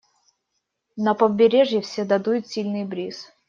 На побережье всегда дует сильный бриз.